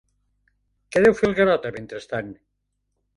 Què deu fer el Garota, mentrestant?